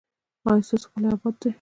ایا ستاسو کلی اباد دی؟